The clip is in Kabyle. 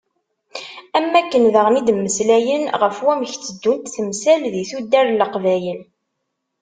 Am wakken daɣen i d-mmeslayen ɣef wamek tteddunt temsal di tuddar n Leqbayel.